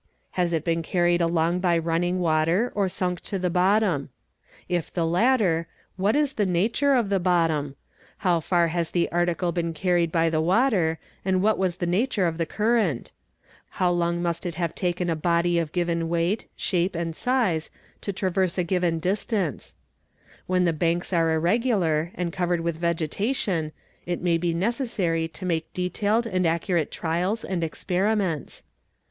has it been carried along by running water or sunk to the bottom? if the latter, what is the nature of the bottom? how far has the article bee carried by the river and what was the nature of the current? How long must it have taken a body of given weight, shape, and size to traverse a IN PHYSICS 233 } given distance? When the banks are irregular and covered with vege tation it may be necessary to make detailed and accurate trials and experiments.